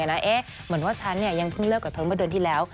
เหมือนว่าฉันยังเพิ่งเลิกกับเธอเมื่อเดือนที่แล้ว